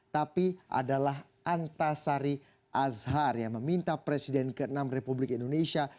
tapi adalah antasari azhar yang meminta presiden ke enam republik indonesia